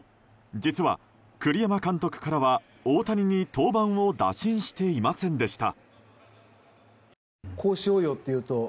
実は、栗山監督からは大谷に登板を打診していませんでした。